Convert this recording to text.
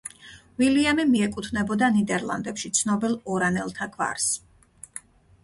უილიამი მიეკუთვნებოდა ნიდერლანდებში ცნობილ ორანელთა გვარს.